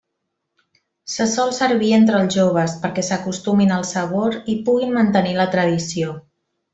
Se sol servir entre els joves perquè s'acostumin al sabor i puguin mantenir la tradició.